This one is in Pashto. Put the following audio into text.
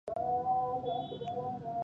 بادي انرژي د افغانانو د معیشت سرچینه ده.